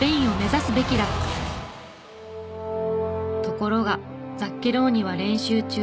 ところがザッケローニは練習中